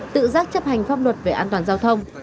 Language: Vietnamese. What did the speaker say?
tự giác chấp hành pháp luật về an toàn giao thông